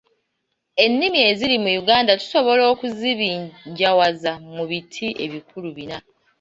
Ennimi eziri mu Uganda tusobola okuzibinjawaza mu biti ebikulu bina.